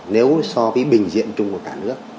nếu so với bình diện chung của cả nước